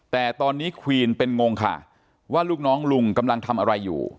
แต่ตอนนี้ควีนเป็นงงค่ะว่าลูกน้องลุงกำลังทำอะไรอยู่